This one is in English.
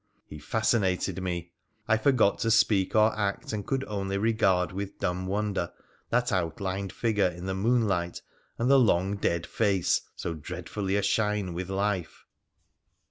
He fascinated me. I forgot to speak or act, and could only regard with dumb wonder that outlined figure in the moonlight and the long dead face so dreadfully ashine with life.